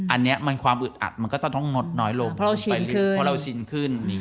อันเนี้ยมันความอึดอัดมันก็จะมากน้อยลงเกินไปเลยเพราะเราชินขึ้น